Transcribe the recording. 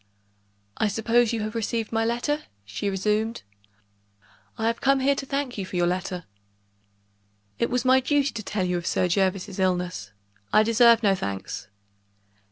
"I suppose you have received my letter?" she resumed. "I have come here to thank you for your letter." "It was my duty to tell you of Sir Jervis's illness; I deserve no thanks."